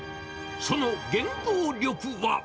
その原動力は。